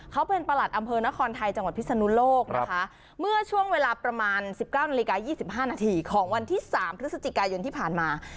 เขาเป็นประหลัดอำเภอนครไทยจังหวัดพิศนุโลกนะคะเมื่อช่วงเวลาประมาณ๑๙นาฬิกา๒๕นาทีของวันที่๓พฤศจิกายนที่ผ่านมา